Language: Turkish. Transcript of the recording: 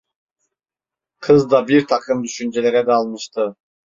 Kız da birtakım düşüncelere dalmıştı.